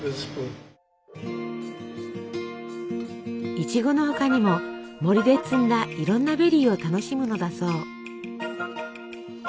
いちごの他にも森で摘んだいろんなベリーを楽しむのだそう。